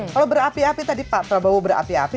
kalau berapi api tadi pak prabowo berapi api